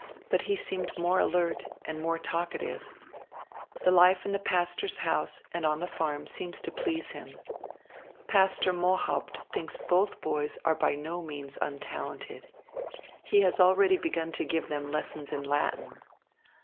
But he seemed more alert and more talkative. The life in the pastor's house and on the farm seems to please him. Pastor Mohaupt thinks both boys are by no means untalented. He has already begun to give them lessons in Latin.